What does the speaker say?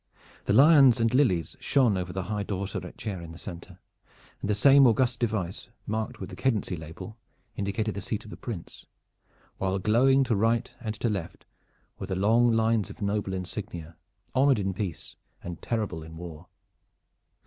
The lions and lilies shone over the high dorseret chair in the center, and the same august device marked with the cadency label indicated the seat of the Prince, while glowing to right and to left were the long lines of noble insignia, honored in peace and terrible in war.